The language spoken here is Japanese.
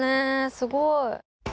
すごい。